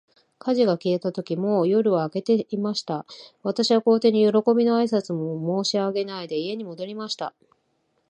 火事が消えたとき、もう夜は明けていました。私は皇帝に、よろこびの挨拶も申し上げないで、家に戻りました。